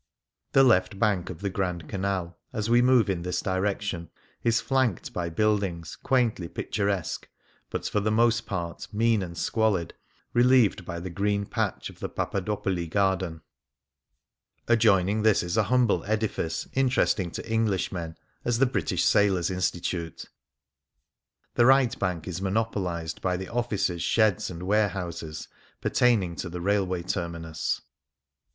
The left bank of the Grand Canal, as we move in this direction, is flanked by buildings quaintly picturesque, but for the most part mean and squalid, relieved by the green patch of the Papadopoli Garden. Adjoining this is a humble edifice interesting to English men as the British Sailors' Institute. The right bank is monopolized by the offices, sheds, and warehouses pertaining to the railway terminus.